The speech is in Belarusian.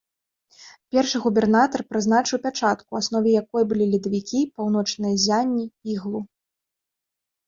Першы губернатар прызначыў пячатку, у аснове якой былі ледавікі, паўночныя ззянні, іглу.